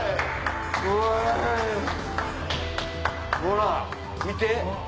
ほら見て。